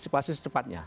kita antisipasi secepatnya